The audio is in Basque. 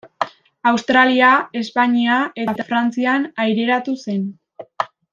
Australia, Espainia eta Frantzian aireratu zen.